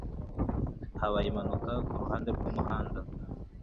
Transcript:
Habaye impanuka kuruhande rwumuhanda.